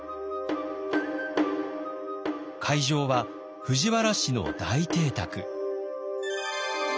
会場は藤原氏の大邸宅。